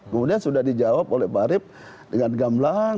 kemudian sudah dijawab oleh pak arief dengan gamblang